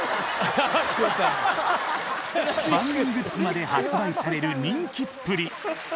番組グッズまで発売される人気っぷり。